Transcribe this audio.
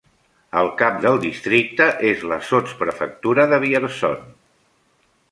El cap del districte és la sotsprefectura de Vierzon.